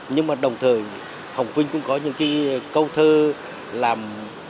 nhưng mà đồng thời hồng vinh cũng có những cái câu thơ làm